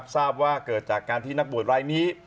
ทราบว่าเกิดจากการที่นักบวชรายนี้